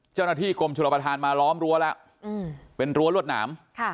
เจ้าหน้าที่กรมชนประธานมาล้อมรั้วแล้วเป็นรั้วรวดหนาม